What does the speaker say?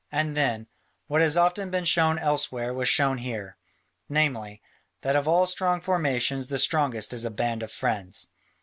And then, what has often been shown elsewhere was shown here, namely, that of all strong formations the strongest is a band of friends.